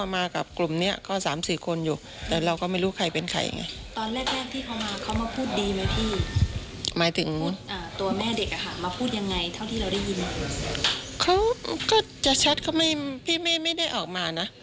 มาพูดยังไงเท่าที่เราได้ยินเขาก็จะชัดเขาไม่พี่ไม่ได้ออกมาน่ะ